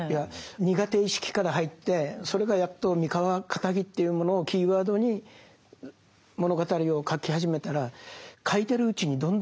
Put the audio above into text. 苦手意識から入ってそれがやっと三河かたぎというものをキーワードに物語を書き始めたら書いてるうちにどんどん筆がのってくる。